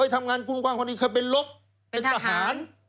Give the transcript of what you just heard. ทำงานคุณงามความดีคือเป็นรกเป็นทหาร